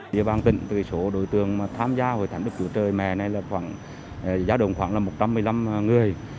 địa bàn tỉnh số đối tượng tham gia hội thánh đức chúa trời mẹ này là giá đồng khoảng một trăm một mươi năm người